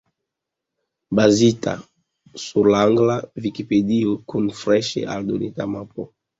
Bazita sur la angla Vikipedio, kun freŝe aldonita mapo.